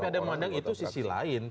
tapi ada yang mengandang itu sisi lain